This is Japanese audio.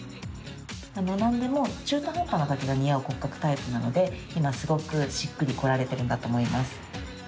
何でも中途半端な丈が似合う骨格タイプなので今すごく、しっくりこられてるんだと思います。